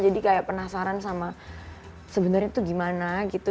jadi kayak penasaran sama sebenarnya itu gimana gitu